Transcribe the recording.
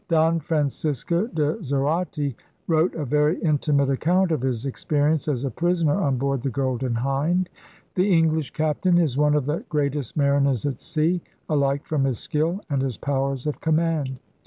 Don Francisco de Zarate wrote a very intimate account of his experience as a prisoner on board the Golden Hind, 'The English captain is one of the greatest mariners at sea, alike from his skill and his powers of command.